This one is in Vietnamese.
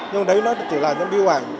nhưng đấy nó chỉ là những bưu ảnh cổ